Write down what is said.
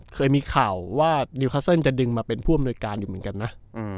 เคยมีข่าวว่านิวคัสเซิลจะดึงมาเป็นผู้อำนวยการอยู่เหมือนกันนะ